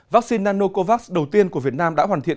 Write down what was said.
vắc xin nanocovax đầu tiên của việt nam đã hoàn thiện